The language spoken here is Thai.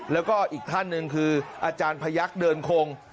แล้วก็อีกท่านหนึ่งคืออาจารย์พยักษ์เดินคง